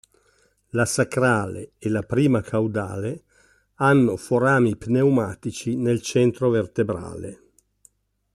La sacrale e la prima caudale hanno forami pneumatici nel centro vertebrale.